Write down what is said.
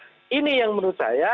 nah ini yang menurut saya